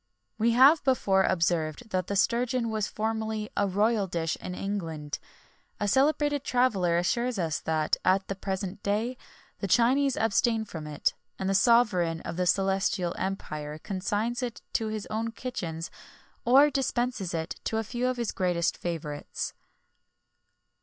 [XXI 36] We have before observed that the sturgeon was formerly a royal dish in England.[XXI 37] A celebrated traveller assures us that, at the present day, the Chinese abstain from it, and that the sovereign of the Celestial Empire consigns it to his own kitchens, or dispenses it to a few of his greatest favourites.